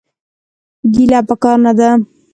ګيله پکار نه ده.